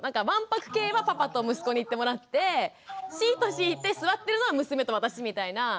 わんぱく系はパパと息子に行ってもらってシート敷いて座ってるのは娘と私みたいな。